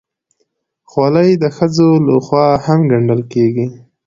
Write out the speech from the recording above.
خولۍ د ښځو لخوا هم ګنډل کېږي.